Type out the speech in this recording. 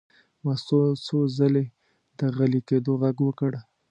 مستو څو ځلې د غلي کېدو غږ وکړ.